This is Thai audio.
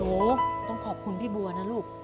โอ้โหต้องขอบคุณพี่บัวนะลูก